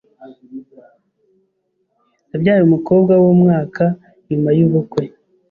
Nabyaye umukobwa wumwaka nyuma yubukwe.